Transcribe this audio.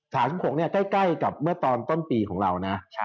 สิบหกเนี่ยใกล้กับเมื่อตอนต้นปีของเรานะ